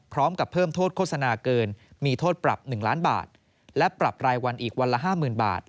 พร้อมกับเพิ่มโทษโฆษณาเกินมีโทษปรับ๑ล้านบาทและปรับรายวันอีกวันละ๕๐๐๐บาท